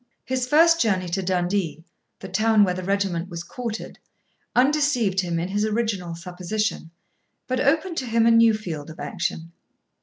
His first journey to Dundee, the town where the regiment was quartered, undeceived him in his original supposition, but opened to him a new field of action.